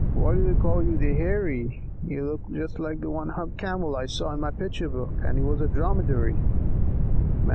"Why do they call you the Heirie? You look just like the one humped Camel I saw in my picture book, and he was a Dromedary."